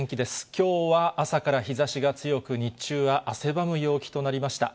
きょうは朝から日ざしが強く、日中は汗ばむ陽気となりました。